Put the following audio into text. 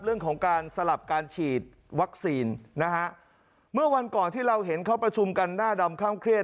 เรื่องของการสลับการฉีดวัคซีนนะฮะเมื่อวันก่อนที่เราเห็นเขาประชุมกันหน้าดำค่ำเครียด